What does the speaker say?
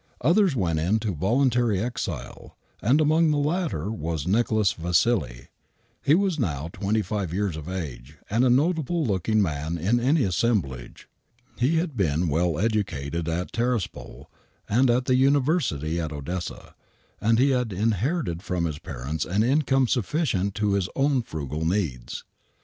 Others weni into volun tary exile, and among the latter was Nicholas Vassili. He was now twenty five years of age and a notable looking man in any assemblage. He had been well educated at Taraspol and at the University at Odessa, and he had inherited from his parents an income sufficient to his own frugal needs.